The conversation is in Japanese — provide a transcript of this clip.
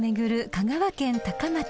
香川県高松］